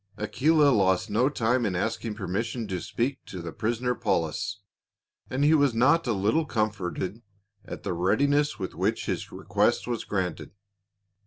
Aquila lost no time in asking permission to speak to the prisoner Paulus, and he was not a little comforted at the readiness with which his request was granted.